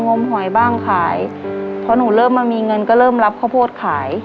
งมหอยบ้างขายเพราะหนูเริ่มมามีเงินก็เริ่มรับข้าวโพดขาย